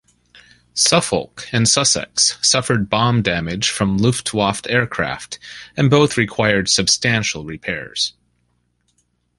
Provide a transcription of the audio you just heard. "Suffolk", and "Sussex" suffered bomb damage from Luftwaffe aircraft, and both required substantial repairs.